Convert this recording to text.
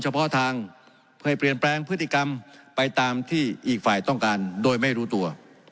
เฉพาะทางเพื่อเปลี่ยนแปลงพฤติกรรมไปตามที่อีกฝ่ายต้องการโดยไม่รู้ตัว